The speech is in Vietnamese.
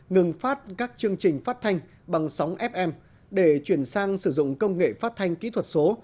ngừng phát các chương trình phát thanh bằng sóng fm để chuyển sang sử dụng công nghệ phát thanh kỹ thuật số